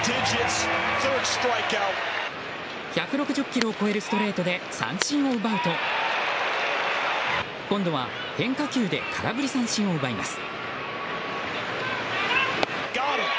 １６０キロを超えるストレートで三振を奪うと今度は変化球で空振り三振を奪います。